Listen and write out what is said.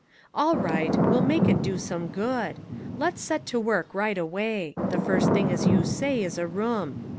"All right. We'll make it do some good. Let's set to work right away. The first thing as you say, is a room.